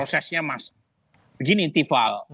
prosesnya mas begini intifal